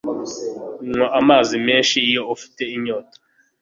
Anywa amazi menshi iyo afite inyota